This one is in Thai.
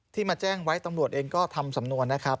มาแจ้งไว้ตำรวจเองก็ทำสำนวนนะครับ